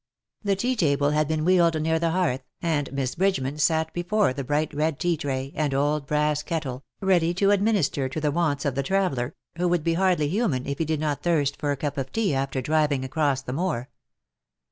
The tea table had been wheeled near the hearth, and Miss Bridgeman sat before the bright red tea tray, and old brass kettle, ready to administer to the wants of the traveller, who would be hardly human if he did not thirst for a cup of tea after driving across the moor.